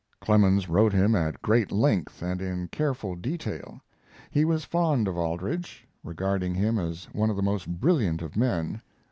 Clemens wrote him at great length and in careful detail. He was fond of Aldrich, regarding him as one of the most brilliant of men.